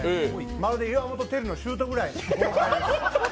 まるで岩本輝のシュートぐらい。